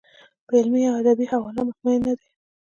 په علمي او ادبي حواله مطمین نه دی.